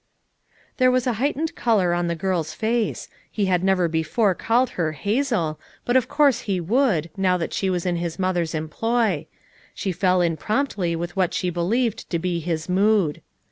There was a heightened color on the girl's face; he had never before called her "Hazel" but of course he would, now that she was in his mother's employ; she fell in promptly with what she believed to be his mood.